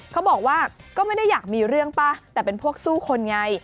เขาบอกว่าก็ไม่ได้อยากมีเรื่องป่ะแต่เป็นพวกสู้คนไง